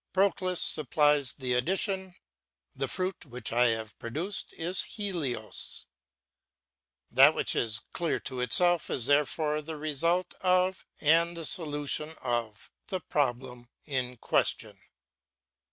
Proclus supplies the addition, * The fruit which I have produced is Helios,^ That which is clear to itself is therefore the result of, and the solution of, the problem in question.